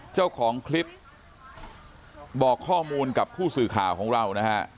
เจ้าของคลิปบอกข้อมูลกับผู้สื่อข่าวของเรานะฮะ